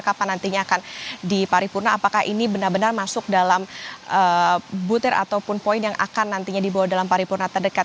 kapan nantinya akan di paripurna apakah ini benar benar masuk dalam butir ataupun poin yang akan nantinya dibawa dalam paripurna terdekat